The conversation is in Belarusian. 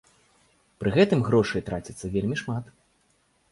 Пры гэтым грошай траціцца вельмі шмат.